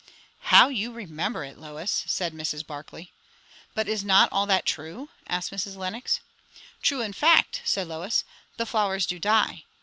'" "How you remember it, Lois!" said Mrs. Barclay. "But is not that all true?" asked Mr. Lenox. "True in fact," said Lois. "The flowers do die.